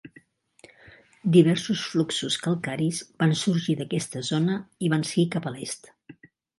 Diversos fluxos calcaris van sorgir d'aquesta zona i van seguir cap a l'est.